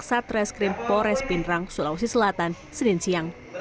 satreskrim pores pindrang sulawesi selatan senin siang